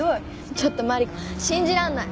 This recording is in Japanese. ちょっとマリコ信じらんない。